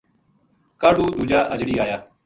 کاہڈُو دُوجا اجڑی آیا